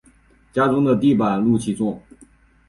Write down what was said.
家中的地板露气重